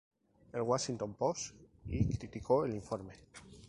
El "Washington Post" y criticó el informe.